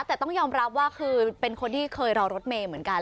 แต่ต้องยอมรับว่าคือเป็นคนที่เคยรอรถเมย์เหมือนกัน